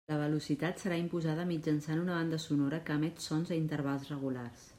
La velocitat serà imposada mitjançant una banda sonora que emet sons a intervals regulars.